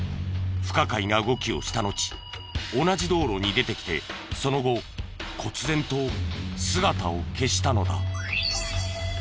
不可解な動きをしたのち同じ道路に出てきてその後こつぜんと姿を消したのだ。